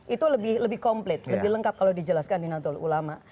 itu lebih komplit lebih lengkap kalau dijelaskan di natul ulama